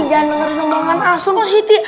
jangan dengerin omongan asun pak siti